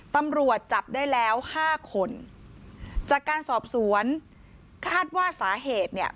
ตำรวจจับได้แล้วห้าคนจากการสอบสวนคาดว่าสาเหตุเนี่ย